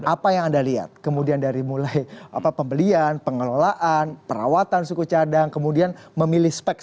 apa yang anda lihat kemudian dari mulai pembelian pengelolaan perawatan suku cadang kemudian memilih spek